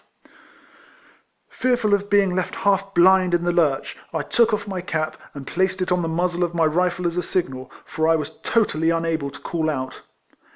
232 RECOLLECTIONS OF Fearful of being left half blind in the lurch, I took off my cap, and placed it on the muzzle of my rifle as a signal, for I was totally unable to call out.